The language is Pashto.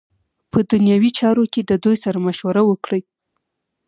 په دنیوی چارو کی ددوی سره مشوره وکړی .